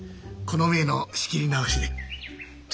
この前の仕切り直しで。